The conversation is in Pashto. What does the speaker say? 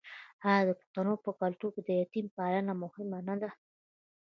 آیا د پښتنو په کلتور کې د یتیم پالنه مهمه نه ده؟